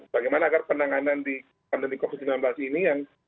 bagaimana agar penanganan di pandemi covid sembilan belas ini yang